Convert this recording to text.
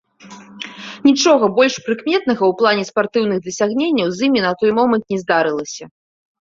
Нічога больш прыкметнага ў плане спартыўных дасягненняў з імі на той момант не здарылася.